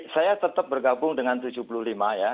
saya tetap bergabung dengan tujuh puluh lima ya